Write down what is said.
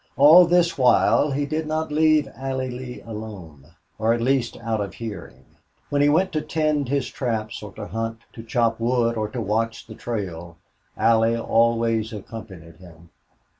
All this while he did not leave Allie Lee alone, or at least out of hearing. When he went to tend his traps or to hunt, to chop wood or to watch the trail, Allie always accompanied him.